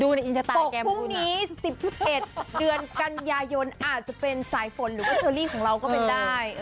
ในอินสตาแกรมพรุ่งนี้๑๑เดือนกันยายนอาจจะเป็นสายฝนหรือว่าเชอรี่ของเราก็เป็นได้